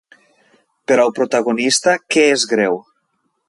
Per al protagonista, què és greu?